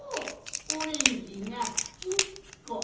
オレンジが１０こ！